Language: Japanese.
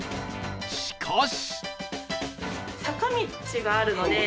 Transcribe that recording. しかし